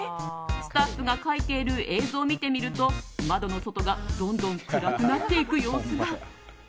スタッフが描いている映像を見てみると窓の外がどんどん暗くなっていく様子が。